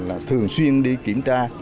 tình cảm là thường xuyên đi kiểm tra